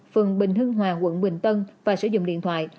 phường bình hưng hòa quận bình tân và sử dụng điện thoại